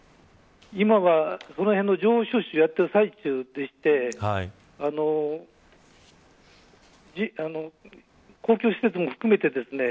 今はその辺の情報収集をやっている最中でして公共施設も含めてですね